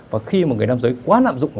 và khi một người nam giới quá nạm dụng